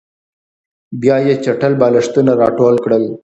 بیا یې چټل بالښتونه راټول کړل